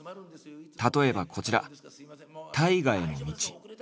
例えばこちら「大河への道」。